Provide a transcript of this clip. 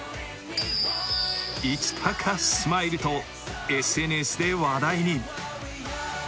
いちたかスマイルとＳＮＳで話題に。